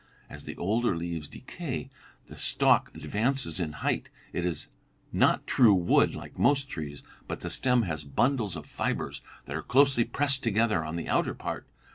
As the older leaves decay the stalk advances in height. It has not true wood, like most trees, but the stem has bundles of fibres that are closely pressed together on the outer part.